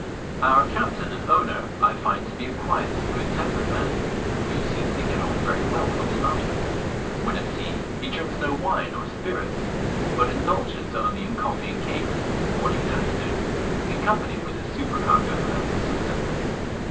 Our captain and owner I find to be a quiet, good tempered man, who seems to get on very well with all about him. When at sea he drinks no wine or spirits, but indulges only in coffee and cakes, morning and afternoon, in company with his supercargo and assistants.